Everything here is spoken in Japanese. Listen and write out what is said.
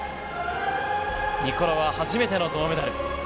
ニコロワは初めての銅メダル。